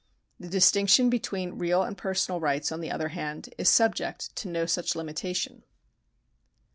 The distinction between real and personal rights, on the other hand, is subject to no such limitation.